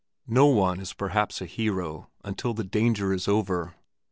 No one is perhaps a hero until the danger is over.